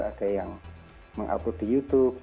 ada yang mengupload di youtube